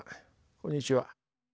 こんにちは。